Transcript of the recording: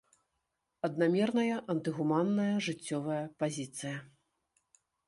Аднамерная антыгуманная жыццёвая пазіцыя.